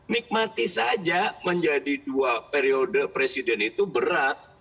nikmati saja menjadi dua periode presiden itu berat